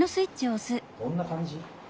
どんな感じ？